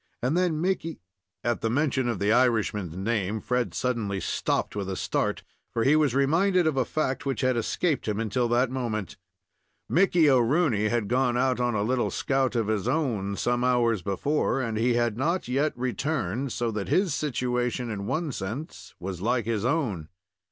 And then Mickey " At the mention of the Irishman's name, Fred suddenly stopped with a start, for he was reminded of a fact which had escaped him until that moment. Mickey O'Rooney had gone out on a little scout of his own, some hours before, and he had not yet returned, so that his situation, in one sense, was like his own.